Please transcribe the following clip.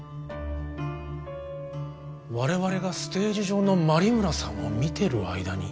われわれがステージ上の真梨邑さんを見てる間に。